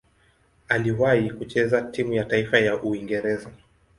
Aliwahi kucheza timu ya taifa ya Uingereza.